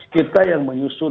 kita yang menyusun